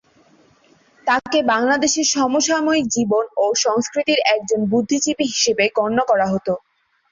তাকে বাংলাদেশের সমসাময়িক জীবন ও সংস্কৃতির একজন বুদ্ধিজীবী হিসেবে গণ্য করা হত।